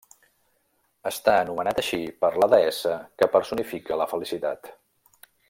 Està anomenat així per la deessa que personifica la felicitat.